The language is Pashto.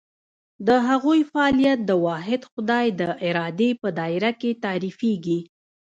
د هغوی فعالیت د واحد خدای د ارادې په دایره کې تعریفېږي.